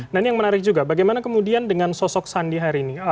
nah ini yang menarik juga bagaimana kemudian dengan sosok sandi hari ini